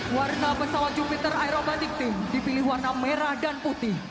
warna pesawat jupiter aerobatic team dipilih warna merah dan putih